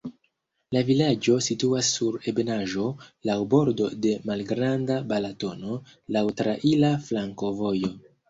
La vilaĝo situas sur ebenaĵo, laŭ bordo de Malgranda Balatono, laŭ traira flankovojo.